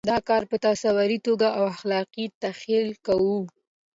دا کار په تصوري توګه او خلاق تخیل کوو.